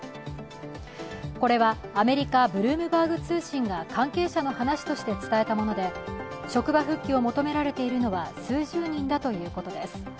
これはアメリカ・ブルームバーグ通信が関係者の話として伝えたもので、職場復帰を求められているのは数十人だということです。